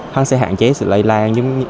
họ sẽ hạn chế sự lây lan